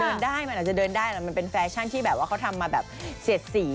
เดินได้มันอาจจะเดินได้แต่มันเป็นแฟชั่นที่แบบว่าเขาทำมาแบบเสียดสี